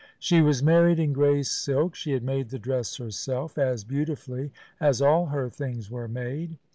She was married in gray silk. She had made the dress herself, as beautifully as all her things were made.